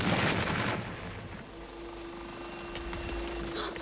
あっ！